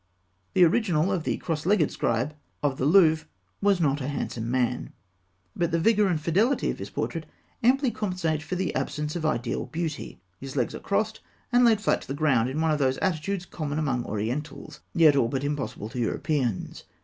The original of the "Cross legged Scribe" of the Louvre was not a handsome man (fig. 185), but the vigour and fidelity of his portrait amply compensate for the absence of ideal beauty. His legs are crossed and laid flat to the ground in one of those attitudes common among Orientals, yet all but impossible to Europeans.